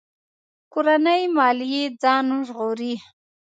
کورنۍ ماليې ځان ژغوري.